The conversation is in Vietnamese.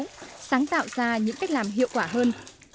hội viên tạo ra những cách làm hiệu quả hơn